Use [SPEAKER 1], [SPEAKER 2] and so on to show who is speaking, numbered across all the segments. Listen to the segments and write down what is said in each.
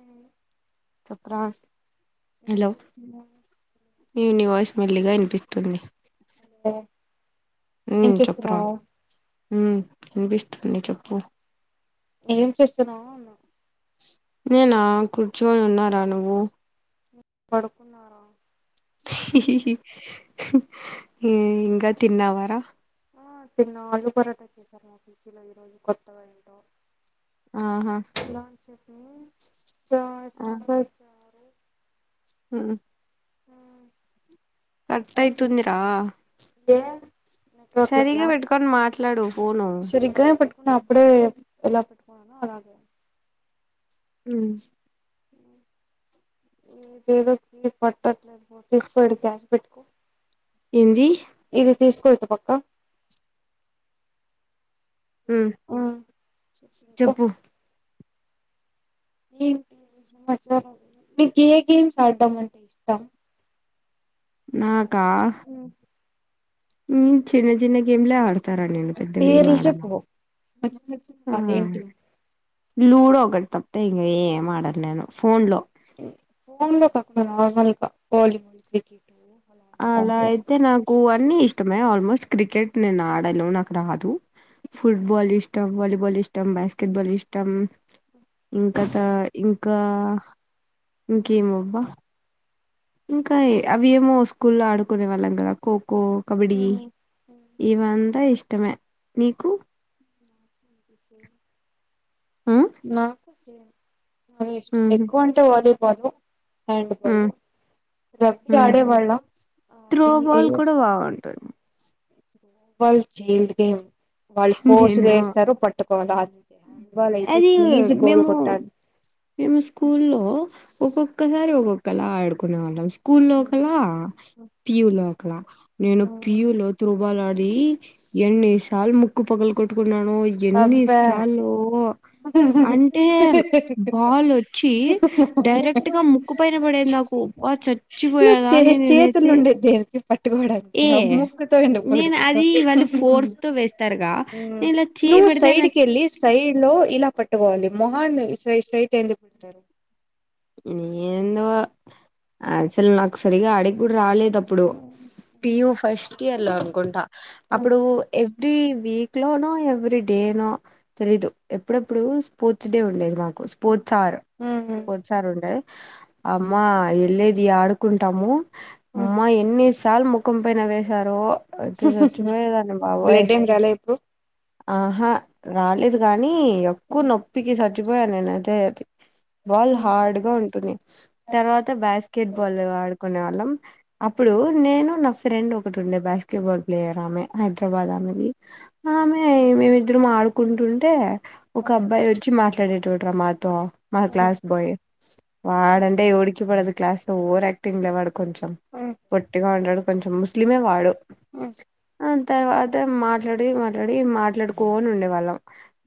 [SPEAKER 1] ఉ
[SPEAKER 2] చప్రా హలో
[SPEAKER 1] చేస్తున్నావు?
[SPEAKER 2] ఏయ్ నీ వాయిస్ మెల్లిగా ఇనిపిస్తుంది,
[SPEAKER 1] [unintelligible]
[SPEAKER 2] ఉ చెప్పరా
[SPEAKER 1] చేస్తున్నావు
[SPEAKER 2] ఉ వినిపిస్తుంది చెప్పు
[SPEAKER 1] ఏం చేస్తున్నావు అన్నా
[SPEAKER 2] నేనా కూర్చొని ఉన్నారా నువ్వు
[SPEAKER 1] పడుకున్నార
[SPEAKER 2] ఇంకా తిన్నవరా
[SPEAKER 1] ఆ తిన్న ఆల్లు పరాట చేసారు మా పీజిలో ఈ రోజు కొత్తగా ఏంటో
[SPEAKER 2] ఆహా
[SPEAKER 1] ఇలా చెప్పి చ స సో
[SPEAKER 2] ఉ
[SPEAKER 1] ఉ
[SPEAKER 2] కటైతుందిరా
[SPEAKER 1] ఏ రాట్లేదా
[SPEAKER 2] పెట్టుకొని మాట్లాడు ఫోను
[SPEAKER 1] సరిగానే పట్టుకున్నావా ఇప్పుడే ఎలా పెట్టుకో అలా అ
[SPEAKER 2] ఊ
[SPEAKER 1] ఏదేదో పట్టట్లేదు పో తీసు పెడితే పెట్టుకో
[SPEAKER 2] ఏంది
[SPEAKER 1] ఇది తీసుకో ఇటు పక్క
[SPEAKER 2] మ్మ్
[SPEAKER 1] ఆ చెప్పు ఇంకా ఏంటి ఈరోజు మీకు ఏ గేమ్స్ ఆడం అంటే ఇ ఇష్టం
[SPEAKER 2] నాకా హ్మ్ చిన్న చిన్న గేమ్లే ఆడుత తరండి నేను పెద్దవేవి
[SPEAKER 1] పేర్లు
[SPEAKER 2] వాడను
[SPEAKER 1] చెప్పు మ మ
[SPEAKER 2] ఆ హా
[SPEAKER 1] అదేంటి
[SPEAKER 2] లూడో ఒకటి తప్పతే ఇంక ఏం ఆడాలి నేను ఫోన్ లో
[SPEAKER 1] ఫోన్లో కాకుండా నార్మల్గా వాలీబాల్ క్రికెట్
[SPEAKER 2] అలా
[SPEAKER 1] అలాంటివి
[SPEAKER 2] అయితే నాకు అన్ని ఇష్టమే ఆల్మోస్ట్ క్రికెట్ నేను ఆడను నాకు రాదు ఫుట్బాల్ ఇష్టం వాలీబాల్ ఇష్టం బాస్కెట్బాల్ ఇష్టం ఇంకా త ఇంకా ఇంకేం అబ్బా ఇంకా అవి ఏమో స్కూల్లో ఆడుకునే వాళ్ళం కదా ఖోఖో కబడ్డి ఇవంతా ఇష్టమే నీకు ఆ!
[SPEAKER 1] నాకు సేవ ఇష్ట
[SPEAKER 2] హుహు.
[SPEAKER 1] ఎక్కువ వంటే వాలీబాల్ హ్యాండ్ బాల్
[SPEAKER 2] హ్మ్.
[SPEAKER 1] రబీ
[SPEAKER 2] హ్మ్.
[SPEAKER 1] ఆడేవాళ్ళం
[SPEAKER 2] టైం
[SPEAKER 1] వాళ్ళు చైల్డ్ గేమ్
[SPEAKER 2] నేను
[SPEAKER 1] ఫోర్సీగా ఎస్తారు పట్టుకోవాల హ్యాండ్ బాల్ అయితే
[SPEAKER 2] అది
[SPEAKER 1] త్లీజ్ గోల్
[SPEAKER 2] మేము
[SPEAKER 1] కొట్టిలి
[SPEAKER 2] మేము స్కూల్లో ఒక్కొక్కసారి ఒక్కొక్కలా ఆడుకునే వాళ్ళం కూల్ లో ఒకల పి యు లో ఒకల నేను పియు లో త్రోబాల్ ఆడి ఎన్ని సాలు ముక్కు పగలు కొట్టుకున్నానో ఎన్ని
[SPEAKER 1] అబ్బా
[SPEAKER 2] సాలో అంటే బాల్ వచ్చి డైరెక్ట్ గా ముక్కు పైన పడేది నాకు అబ్బా చ
[SPEAKER 1] నువ్వు చే
[SPEAKER 2] చ్చిపోయాదాన్నీ
[SPEAKER 1] చేతులు
[SPEAKER 2] నేనునైతే
[SPEAKER 1] ఉండేది దేనికి పట్టుకోవడానికి
[SPEAKER 2] ఏ
[SPEAKER 1] ముక్కుతో ఎందుకు
[SPEAKER 2] నేను అది వాళు
[SPEAKER 1] పట్టుకుంటావ్
[SPEAKER 2] ఫోర్స్ తు వేస్తారుగా నేను ఇలా చేయ
[SPEAKER 1] నువ్వు
[SPEAKER 2] పెడితే
[SPEAKER 1] సైడ్ కి వెళ్ళి సైడ్ లో ఇలా పట్టుకోవాలి మొహన్నీ సై శ్రైట్ ఎందుకుడతారు
[SPEAKER 2] ఏందో అసలు నాకు సరిగా అడికి కూడా రాలేదు దప్పుడు పియుూ ఫస్ట్ ఇయర్ లో అనుకుంటా అప్పుడు ఎ ఎవ్రీ వీక్ లోనో ఎవ్రీ డేనో తెలీదు ఎప్పుడెప్పుడు స్పోర్ట్స్ డే ఉండేది మాకు స్పోర్ట్ సార్
[SPEAKER 1] ఉహు
[SPEAKER 2] సరుండే అమ్మా వెళ్ళేది ఆడుకుంటాము అమ్మా ఎన్నిస్ చా ముఖం పోయినా వేసారో అ సచ్చపోయదా బాబోయ్
[SPEAKER 1] మల్ల ఎప్పుడూ
[SPEAKER 2] ఆహా రాలేదు గానీ ఎక్కువ నొప్పికి సచిపోయ నేను అయితే అది బాల్ హార్డ్ గా ఉంటుంది తర్వాత బాస్కెట్ బాల్ ఆడుకునే వాళ్ళం అప్పుడు నేను నా ఫ్రెండ్ ఒకటి ఉండే బాస్కెట్బాల్ ప్లేయర్ ఆమె హైదరాబాద్ ఆమెది ఆమె మేమిద్దరం ఆడుకుంటుంటే ఒక అబ్బాయి వచ్చి మాట్లాడేటోటరా మాతో మా క్లాస్ బోయ్ వాడంటే ఓడికిపడదు క్లాస్ లో ఓవర్ తింగలేవాడు కొంచెం పొట్టిగా ఉండు కొంచెం ముస్లిమే వాడు అ తర్వాత మాట్లాడి మ రెడీ మాట్లాడుకోని ఉండేవాళ్ళం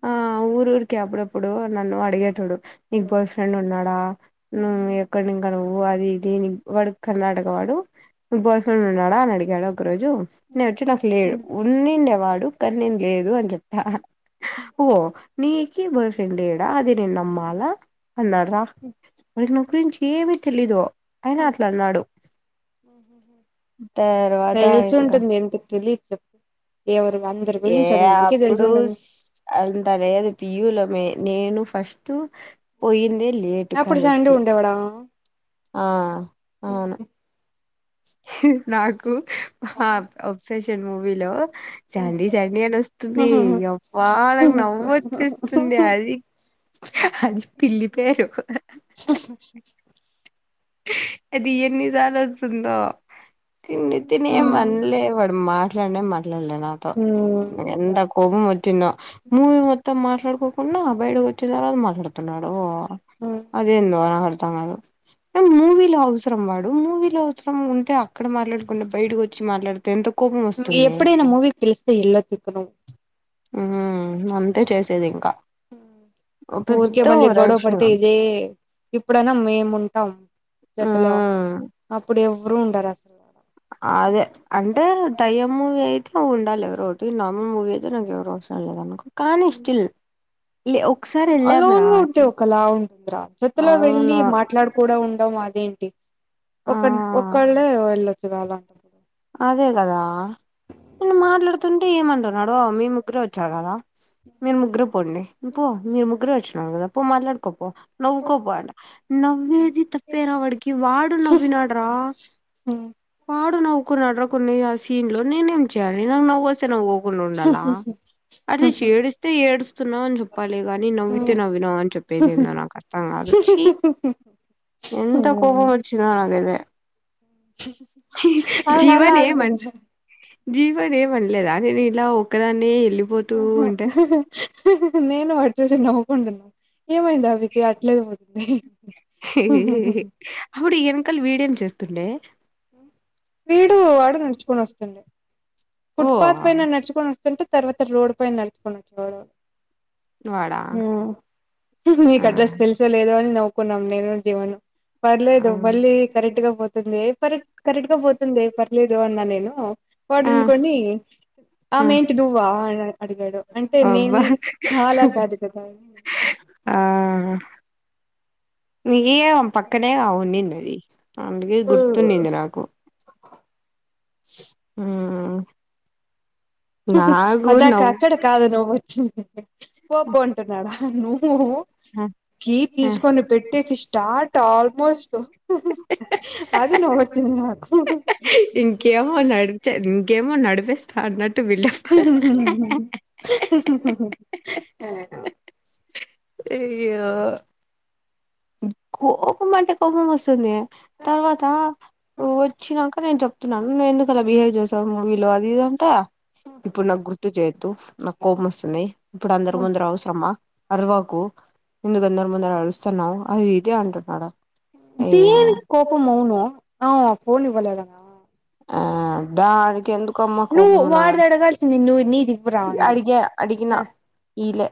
[SPEAKER 2] ఆ ఊరు ఊరికే అప్పుడప్పుడు నన్ను అడిగేటోడు నీ బాయ్ ఫ్రెండ్ ఉన్నాడా నువ్వు ఎక్కడ నుం నువ్వు అది ఇది నీ వాడు కర్ణాటక వాడు బాయ్ ఫ్రెండ్ ఉన్నాడా అని అడిగాడు ఒక రోజు నేను వచ్చి నాకు లేడు ఉన్నిండేవాడు కానీ నేను లేదు అని చెప్తా ఓ నీకి బాయ్ ఫ్రెండ్ ఏడా అది నేను నమ్మాలా అన్నాడ్రా వాడికి నా గురించి ఏమి తెలీదు అయిన అట్లాన్నాడు ఇంకా
[SPEAKER 1] తెలిసింటుంది ఎందుకు తెలీదుచెప్పు ఎవరు వళ
[SPEAKER 2] ఏ అపుడుస్ అంత లేదు పియులమే నేను ఫస్టు పోయిందే లేట్ కాలేజ్కీ
[SPEAKER 1] లేవాడ
[SPEAKER 2] ఆ అవును ఆ అబ్సెషన్ మూవీలో సాండి సాండి అని ఒస్తుంది, యవ్వ నాకూ నవ్వొచ్చేస్తుంది అది అది పిల్లి పేరు అది ఎన్నిసర్లొస్తుందో, తిండి తినేమనలే వాడు మాట్ మాట్లానే మాట్లాడలే నాతో, ఎంత కోపం వచ్చిందో మూవీ మొత్తం మాట్లాడుకో కున్న బయడకి ఒచ్చిన తర్వాత మాట్లాడుతున్నాడు, ఓ అదేందో నాక్ అర్థంకాదు మూవీలో అవసరం వాడు, మూవీలో అవసరం ఉంటే అక్కడ మాట్లాడుకుండా బయటకు ఒచ్చి మాట్లాడుత్ తేన్త్ కోపమో
[SPEAKER 1] ఉమ్ ఎప్పుడైనా మూవీకి పిలిస్తే ఎళ్లొద్దు ఇక నువ్వు
[SPEAKER 2] ఉమ్ అంతే చేసేది ఇంకా
[SPEAKER 1] ఊర్కే
[SPEAKER 2] పెద్ద
[SPEAKER 1] మళ్ళీ గొడవ
[SPEAKER 2] ఓవరాక్షన్
[SPEAKER 1] పడ్తే ఇదే ఇప్పుడన్న మేము ఉంటాం జతలో,
[SPEAKER 2] మ్మ్
[SPEAKER 1] అప్పుడు ఎవ్వరు ఉండరు అస
[SPEAKER 2] అదే అంటే దయ్యం మూవీ అయితే ఉండాలి ఎవరో ఒకటి, నార్మల్ మూవీ అయితే నాకు ఏవరు అవసరం లేదునుకో. కానీ స్టిల్ లే ఒక్
[SPEAKER 1] లోన్గా ఉంటే ఒకలా ఉంటద్రా జతలో వెళ్ళలి
[SPEAKER 2] అవును
[SPEAKER 1] మాట్లాడుక్ కూడా ఉండం అదేంటి,
[SPEAKER 2] ఆ
[SPEAKER 1] ఒకన్ ఒకళ్ళే వెళ్ళొచ్చు కదా
[SPEAKER 2] అదే గదా నేను మాట్లాడుతుంటే ఏమంటున్నాడు మీ ముగ్గురే ఒచ్చారు గదా, మీరు ముగ్గురే పోండి. పో మీర్ ముగ్గురే ఒచ్చిన్నార్ గదా, పో మాట్లాడుకోపో, నవ్వుకోపో అంట నవ్వేది తక్ పేరావాడికి వాడు నవ్వినాడ్రా, వాడు నవ్ కున్నాడ్రా కొన్ని ఆ సీన్ లో, నేనేం చేయాలి నాకు నవ్వోస్ తే నవ్వు ఉకున్ ఉండాల, అట్లా చేది ఏడిస్తే ఏడుస్ స్తున్నావు అని జెప్పాలి గాని, నవ్వితే నవ్వినావ్ అని చెప్పేది ఏందో నాకు అర్థం కాదు చీ
[SPEAKER 1] హుమ్
[SPEAKER 2] కోపం ఒచ్చినా అనేదే
[SPEAKER 1] ఆయన అలా
[SPEAKER 2] జీవన్ ఏమన్
[SPEAKER 1] అడిగాడు
[SPEAKER 2] జీవన్ ఏమనలేదానే నేన్ ఇలా ఒక్కదాన్నే ఎళ్ళిపోతూ ఉంటే
[SPEAKER 1] నేను వాడు చూసి నవ్వుకుంటున్నాం, ఏమైంది ఆవిడకి అట్లేళ్ళి పోతుంది.
[SPEAKER 2] అప్పుడు ఎనకల్ వీడేం చేస్తుండే
[SPEAKER 1] వీడు వాడు నడ్చుకొని వస్తుండే
[SPEAKER 2] ఓ
[SPEAKER 1] ఫుట్ పాత్ పైన నడ్చుకొని ఒస్తుంటే, తర్వాత రోడ్ పైన నడ్చుకొని ఒచ్చేవాడు
[SPEAKER 2] వాడా ఆహ్
[SPEAKER 1] అంత లేదు అని నవ్వుకున్నాం నేను, జీవను. పర్లేదు
[SPEAKER 2] ఆ
[SPEAKER 1] మళ్ళీ కరెక్ట్ గా పోతుందే, కరెక్ట్ కరెక్ట్గా పోతుందే పర్లేదు అన్నా నేను,
[SPEAKER 2] ఆ
[SPEAKER 1] వాడున్ కొని ఆమె ఏంటి నువ్వా అని అడ్ అడిగాడు, అంటే
[SPEAKER 2] అబ్బా
[SPEAKER 1] నేని ధాలా కాదు గదా.
[SPEAKER 2] ఆ నీ ఇయోమ్ పక్కనేగా ఉన్నింది అది, అందుకే గుర్తున్నింది నాకు. ఉ నాగు
[SPEAKER 1] అదాక
[SPEAKER 2] నవ్
[SPEAKER 1] అక్కడ కాదు నవ్వు వచ్చింది పో పో అంటున్నాడా నువ్వు కి తీసుకొని పెట్టేసి స్టార్ట్ ఆల్మోస్ట్ అది నవ్వు వచ్చింది నాకు
[SPEAKER 2] ఏమో నడిపే ఇంకేమో నడిపేస్తా అన్నట్టు బిల్డప్
[SPEAKER 1] హుహు హుహు
[SPEAKER 2] అయ్యో కోపం అంటే కోపం వస్తుంది మే తర్వాత వోచ్చినంక నేను చెప్తున్నాను నేను ఎందుకు అలా బిహేవ్ చేశావు మూవీలో అది ఇది అంట ఇప్పుడు నాకు గుర్తు చెయ్యొద్దు నాకు కోపం వస్తుంది ఇప్పుడు అందరు
[SPEAKER 1] ఆ
[SPEAKER 2] ముందర అవసరమా అర్ వాకు ఎందుకు అందరి ముందర అరుస్తున్నావు అది ఇది అంటున్నాడు అయ్య
[SPEAKER 1] దేనికి కోపం అవును అవ్ ఫోన్ ఇవ్వలేదా
[SPEAKER 2] ఆ దానికి ఎందుక్
[SPEAKER 1] నువ్వు వాడిది అడగల్సింది నువ్ నిది
[SPEAKER 2] అడిగా అడిగిన ఇలే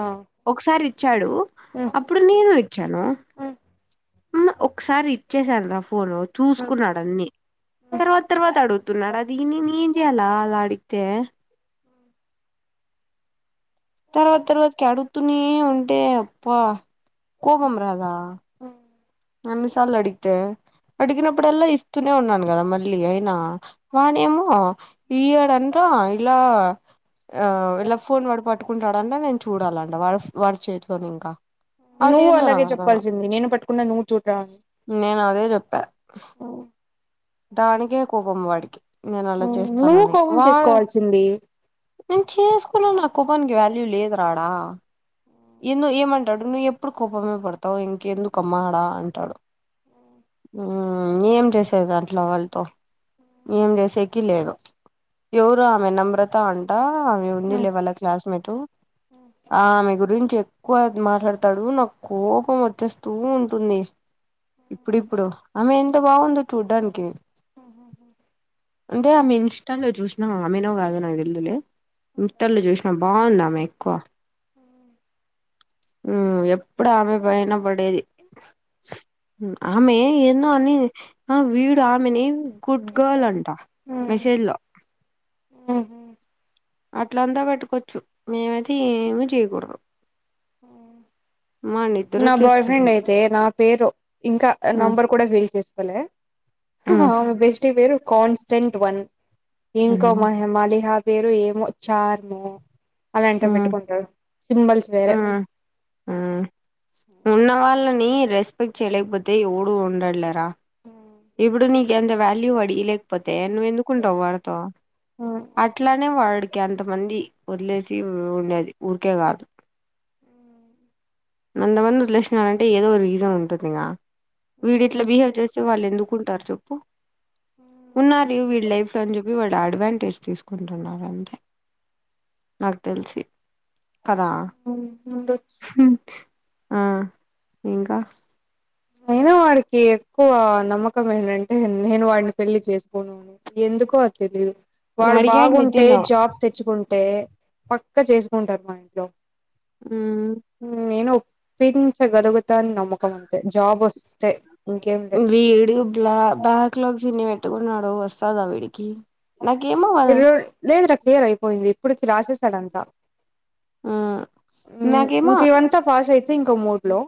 [SPEAKER 1] ఆ
[SPEAKER 2] ఒక్కసారి ఇచ్చాడు
[SPEAKER 1] ఆ
[SPEAKER 2] అప్పుడు నేను ఇచ్చాను
[SPEAKER 1] ఆ
[SPEAKER 2] ఉమ్మ్ ఒక్కసారి ఇచ్చేసాను నా ఫోన్ ను చూసుకున్నాడు అన్ని తర్వాత తర్వాత అడుగుతున్నాడు అది నేనేం చేయాలి అలా అడిగితే తర్వాత తర్వాత కి అడుగుతూనే ఉంటే అప్ప కోపం రాధ అన్నిసార్లు అడిగితే అడిగినప్పుడు అల్ల ఇస్తూనే ఉన్నాను కదా మళ్ళీ అయినా నాణేమో ఇయ్యాడు అంట ఇలా ఆ ఇలా ఫోన్ వాడు పట్టుకుంటాడు అంట నేను చూడాలంట వా వాడి చేతిలో నింకా
[SPEAKER 1] నువ్వు అలాగే చెప్పాల్సింది నేను పట్ కున్నా నువ్వు చూదా
[SPEAKER 2] నేను అదే తానికే కోపం వాడికి నేను అలా
[SPEAKER 1] నువ్వు
[SPEAKER 2] చేస్తానని
[SPEAKER 1] కోపం
[SPEAKER 2] వా
[SPEAKER 1] చేసుకోవాల్సింది
[SPEAKER 2] నేను చేసుకోనన్నా ఆ కోపానికి వాల్యూ లేదు రా ఆడ ఇన్ ఏమంటాడు ను ఇప్ ప్పుడు కోపమే పడతావు ఇంకా ఎందుకమ్మా ఆడ అంటాడు ఏం చేసే తే దాంట్లో వాళ్ళతో ఏం చేసేకి లేదు ఎవరో ఆమె నమ్రత అంటా ఆమె ఉంది లే వాళ్ళ క్లాస్మేట్ ఆమె గురించి ఎక్కువ మాట్లాడతాడు నాక్ కోపం వచ్చేస్తూ ఉంటుంది ఇప్పుడిప్పుడు ఆమె ఎంత బాగుందో చూడ్డానిక్ అంటే ఆమె ఇన్స్టాలో చూసినావ్ ఆమెనో కాదో నాకు తెల్దులే ఇన్ తర్లో చూసినా బాగుంది ఆమె ఎక్కువ
[SPEAKER 1] అ
[SPEAKER 2] ఉ ఎప్పుడు ఆమె పైన పడేది ఉ ఆమె ఏందో అని అ వీ యామిని గుడ్ గర్ల్ అంట మెసేజ్ లో
[SPEAKER 1] ఉహు
[SPEAKER 2] అట్లా అంతా పెట్టుకోవచ్చు మేమైతే ఏమి చెయ్యకూడదు
[SPEAKER 1] ఉ
[SPEAKER 2] నిద్ర
[SPEAKER 1] నా బాయ్
[SPEAKER 2] వచ్చేస్తుంది
[SPEAKER 1] ఫ్రెండ్ అయితే నా పేరు ఇంకా నంబర్ కూడా ఫీల్ చేసుకోలే హు ఆమే బెస్ట్ పేరు కాన్స్టంట్ వన్ ఇంకా మా హేమాలి హబ్ పేరు ఏమో చార్ ను అలాంట పెట్టుకుంటాడు సింబల్స్ వేరే
[SPEAKER 2] ఉన్న వాళ్ళని రెస్పెక్ట్ చేయలేకపోతే ఎవడు ఉండు లేరా ఇప్పుడు నీకు ఎంత [unintelligible] మళ్క వడిలేకపోతేా నువ్వు ఎందుకుంటావు్ వాడతో అట్లానే వాడు [unintelligible] క [unintelligible] ఎంత మంది వదిలేసి ఉండేది ఊరికే కాదు అంతా [unintelligible] మందిలేష్నంటే ఏదో రీజన్ ఉంటుందిగా వీడి ఇట్లా బిహేవ్ చేస్తే వాళ్ళు ఎందుకు [unintelligible] చెప్పు ఉన్నా జూపియాలి ఇలా అడ్వాంటేజ్ తీసుకుంటున్నారు అంటే నాకు తెలిసి కదా
[SPEAKER 1] ంట [unintelligible]
[SPEAKER 2] [unintelligible] ఆ ఇంకా
[SPEAKER 1] అయినా వాడికి ఎక్కువ నమ్మకం ఏంటంటే నేను వాడిని పెళ్లిచేసుకుని ఉ ఎందుకో తెలియదు వాడు
[SPEAKER 2] అడిగాడు
[SPEAKER 1] బాగుంటే
[SPEAKER 2] నితిన్
[SPEAKER 1] జాబ్ తెచ్చుకుంటే పక్క చేసుకుంటారు మా ఇంట్లో
[SPEAKER 2] ఆ [unintelligible]
[SPEAKER 1] నేను [unintelligible] ఒప్పించగలుగుతా అని నమ్మకం అను
[SPEAKER 2] వీడు [unintelligible] ఉబ్బలా బా అలోకి చిన్ని [unintelligible] పెట్టుకున్నాడు వస్తాదా వీడికి నాకేమో వాళ్
[SPEAKER 1] ఇర రోు [unintelligible] లేదు రా క్లియర్ అయిపోయింది ఇప్పుడుకి రాసేస్తాడంతా
[SPEAKER 2] మ్మ్
[SPEAKER 1] [unintelligible]
[SPEAKER 2] నాకేమో
[SPEAKER 1] ఇంక ఇవంతా పాస్ అయి ఇంకో మూడ్ లో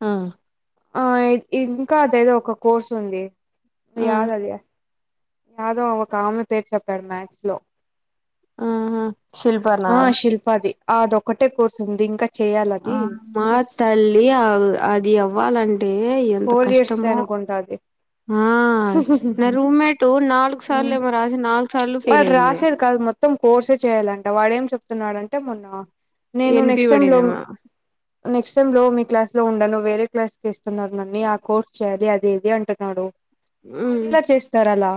[SPEAKER 2] ఉ [unintelligible]
[SPEAKER 1] ఆ ఇంకా అద ఏదో ఒక కోర్సు ఉంది
[SPEAKER 2] మ్మ్
[SPEAKER 1] యాద అది [unintelligible] మాధవ్ ఒక ఆమె పేరు చెప్పాడు మ్యాథ్స్ లో
[SPEAKER 2] ఉ [unintelligible]
[SPEAKER 1] ఆ శిల్పాది అదొక్కటే కోర్స్ ఉంది ఇంకా చెయాలి
[SPEAKER 2] ఆ
[SPEAKER 1] అది
[SPEAKER 2] మా తల్లి ఆ [unintelligible] అది అవ్వాలంటే అంటే ఎంత
[SPEAKER 1] ఫోర్ ఇయర్స్ ది
[SPEAKER 2] కష్టమో
[SPEAKER 1] అనుకుంటా అది
[SPEAKER 2] ఆ నా రూమ్మేట్ నాలుగు సార్లు ఏమో రాసి నాలుగు సార్లు ఫెయిల్
[SPEAKER 1] వాడు
[SPEAKER 2] అయింది
[SPEAKER 1] రాసేది కాదు మొత్తం కోర్స చేయాలంట వాడ ఏం చెప్తున్నాడంటే మొన్న నేను
[SPEAKER 2] ఎన్పి
[SPEAKER 1] నెక్స్ట్ సెమ్ లో
[SPEAKER 2] పడిందేమో
[SPEAKER 1] నెక్స్ట్ సెమ్ లో మీ క్లాస్ లో ఉంను వేరే క్లాస్కి [unintelligible] ఇస్తున్నారు నన్నీ ఆ కోర్స్ చేయాలి అది ఏది అంటున్నాడు
[SPEAKER 2] హ్మ్
[SPEAKER 1] అలా చేస్తారు అలా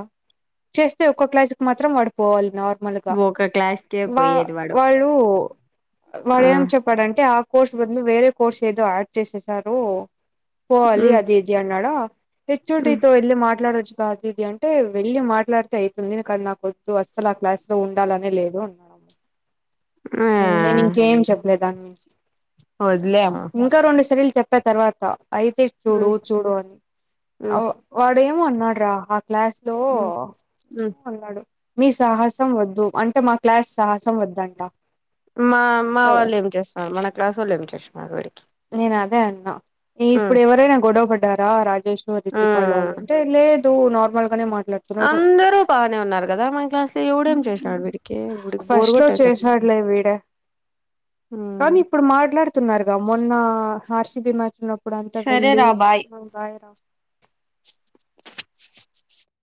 [SPEAKER 1] చేస్తే [unintelligible] ఒక్క క్లాస్కి మాత్రం వాడిపోవాలిని మలుగా
[SPEAKER 2] ఒక క్లాస్కే
[SPEAKER 1] వా
[SPEAKER 2] పోయేది వాడు
[SPEAKER 1] వాళ్ళ [unintelligible] వాళ్ళ
[SPEAKER 2] ఆ
[SPEAKER 1] ఏం చెప్పడంటే ఆ కోర్స్ బదులు వేరే కోర్స్ ఏదో యాడ్ చేససారు పోవాలి
[SPEAKER 2] మ్మ్
[SPEAKER 1] అదిదయ అన్నాడు హాయ హెచ్ ఓ ది తో
[SPEAKER 2] మ్మ్
[SPEAKER 1] మాట్లాడచ్చగా అది ఇదయంంట అంటే వెళ్ళి మాట్లాడితే అవుతుంది కాడ నాొద్దు అస్సలు ఆ క్లాస్ లో ఉండాలనే లేదు అన్నా
[SPEAKER 2] ఆ
[SPEAKER 1] [inaudible] నేను ఇంకేం చెప్పలే దానించి
[SPEAKER 2] వదిలేము
[SPEAKER 1] ఇంకా రెండు సర్లు చెప్ప [unintelligible] చెప్ప తర్వాత అయితే చూడు
[SPEAKER 2] మ్మ్
[SPEAKER 1] చూడు అని
[SPEAKER 2] మ్మ్
[SPEAKER 1] వాడు ఏమ ఉన్నాడు రా ఆ క్లాస్ లో
[SPEAKER 2] మ్మ్ మ్మ్
[SPEAKER 1] ఉన్నాడు మీ సాహసం వద్దు అంటే మా క్లాస్ సాహసం వద్దంట
[SPEAKER 2] మా మా వాళ్ళు ఏం చేస్తున్నారు మన క్లాస్ వాళ్ళు ఏం చేస్తున్నారు వీరికి
[SPEAKER 1] నేను అదే అన్నా ఇప్పుడు ఎవరైనా గొడవ పడ్డారా అని అది తిపళ
[SPEAKER 2] మ్మ్
[SPEAKER 1] అంటే [unintelligible] ఇ లేేదు నార్మల్గానే మాట్లాడు
[SPEAKER 2] అందరూ బాగానే ఉన్నారు కదా మన క్లాస్ లో ఎవడేం చేసినాడు వీడికి వీడికి బోరు కొట్టేసారు
[SPEAKER 1] వడ
[SPEAKER 2] మ్మ్
[SPEAKER 1] కానీ ఇప్పుడు మాట్లాడుతున్నారుగా మొన్న హార్సి బి మార్చినప్పుడు అంతా
[SPEAKER 2] సరే
[SPEAKER 1] వెళ్ళి
[SPEAKER 2] రా బాయ్
[SPEAKER 1] మ బయరాం